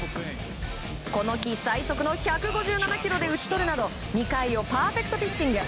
この日最速の１５７キロで打ち取るなど２回をパーフェクトピッチング。